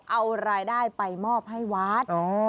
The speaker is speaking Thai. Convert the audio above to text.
เอารายได้ไปมอบให้วัด